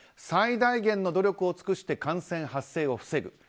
最大限の努力を尽くして感染発生を防ぐ。